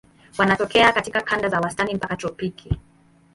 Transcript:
Wanatokea katika kanda za wastani mpaka tropiki.